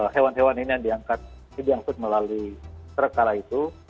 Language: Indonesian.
hewan hewan ini yang diangkat melalui truk kala itu